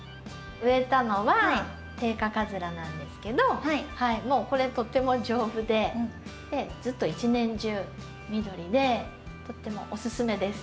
植えたのはテイカカズラなんですけどもうこれとても丈夫でずっと一年中緑でとってもおすすめです。